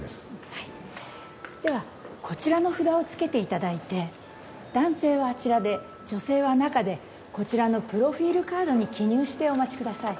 はいではこちらの札を付けていただいて男性はあちらで女性は中でこちらのプロフィールカードに記入してお待ちください